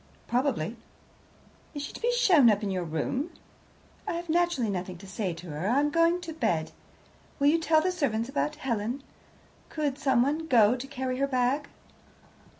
"Probably." "Is she to be shown up to your room?" "I have naturally nothing to say to her; I am going to bed. Will you tell the servants about Helen? Could someone go to carry her bag?"